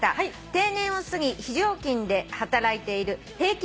定年を過ぎ非常勤で働いている平均